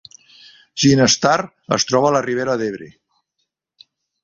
Ginestar es troba a la Ribera d’Ebre